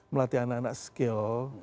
melatih anak anak skill